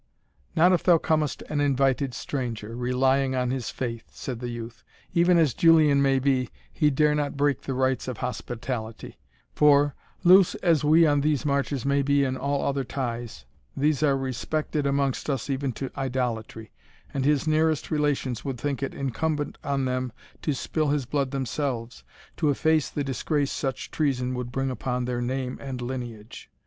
"Not if thou comest an invited stranger, relying on his faith," said the youth; "evil as Julian may be, he dare not break the rites of hospitality; for, loose as we on these marches may be in all other ties, these are respected amongst us even to idolatry, and his nearest relations would think it incumbent on them to spill his blood themselves, to efface the disgrace such treason would bring upon their name and lineage.